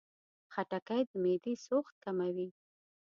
خټکی د معدې سوخت کموي.